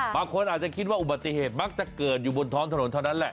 บางคนอาจจะคิดว่าอุบัติเหตุมักจะเกิดอยู่บนท้องถนนเท่านั้นแหละ